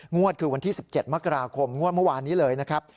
งวดคือวันที่๑๗มกราคมงวดเมื่อวานนี้เลยนะครับ